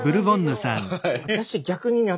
私逆にね